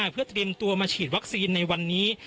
เพื่อเตรียมตัวมาฉีดวัคซีนในวันนี้